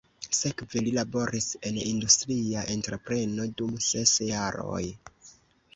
Sekve li laboris en industria entrepreno dum ses jaroj.